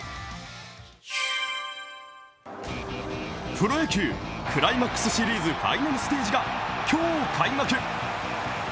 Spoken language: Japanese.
プロ野球クライマックスシリーズファイナルステージが今日開幕。